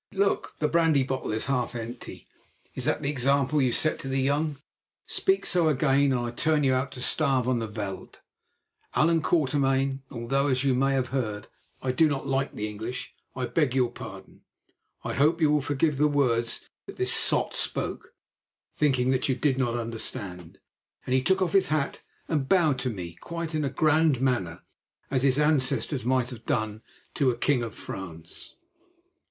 Look! the brandy bottle is half empty. Is that the example you set to the young? Speak so again and I turn you out to starve on the veld. Allan Quatermain, although, as you may have heard, I do not like the English, I beg your pardon. I hope you will forgive the words this sot spoke, thinking that you did not understand," and he took off his hat and bowed to me quite in a grand manner, as his ancestors might have done to a king of France.